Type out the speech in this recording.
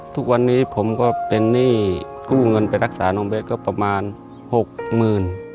ทุกวันนี้ผมก็เป็นหนี้กู้เงินไปรักษาน้องเบสก็ประมาณหกหมื่น